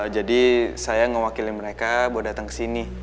jadi saya ngewakilin mereka buat dateng kesini